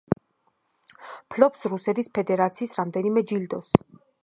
ფლობს რუსეთის ფედერაციის რამდენიმე ჯილდოს.